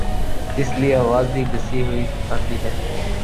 اس لئے آواز بھی گھسی ہوئی آتی ہے۔